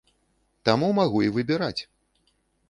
Таму магу і выбіраць.